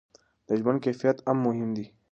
د ژوند کیفیت هم مهم دی.